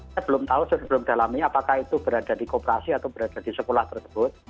saya belum tahu sebelum dalamnya apakah itu berada di kooperasi atau berada di sekolah tersebut